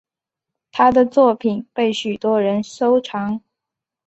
她的作品被许多人收藏。